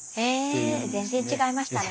へぇ全然違いましたね。